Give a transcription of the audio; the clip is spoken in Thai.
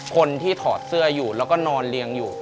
ถอดเสื้ออยู่แล้วก็นอนเรียงอยู่